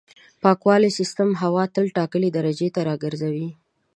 پاکوالي سیستم هوا تل ټاکلې درجې ته راګرځوي.